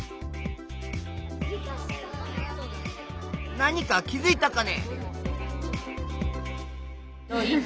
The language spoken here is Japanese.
何か気づいたかね？